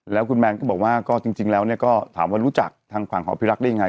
แล้วคุณแมนก็บอกว่าก็จริงแล้วก็ถามว่ารู้จักทางฝั่งของพิรักษ์ได้ยังไง